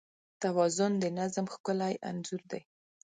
توازن د نظم ښکلی انځور دی.